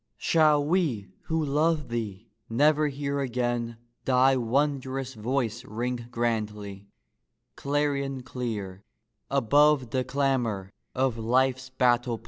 Shall we who love thee never hear again Thy wondrous voice ring grandly, clarion clear, Above the clamor of life's battle plain